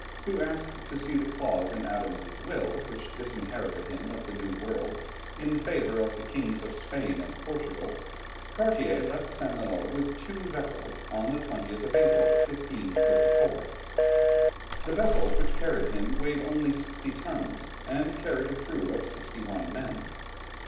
who asked to see the clause in Adam's will which disinherited him of the New World in favour of the kings of Spain and Portugal, Cartier left St. Malo with two vessels on the 20th of April, 1534. The vessel which carried him weighed only sixty tons and carried a crew of sixty one men.